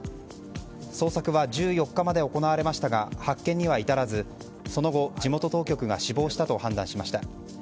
捜索は１４日まで行われましたが発見には至らず、その後地元当局が死亡したと判断しました。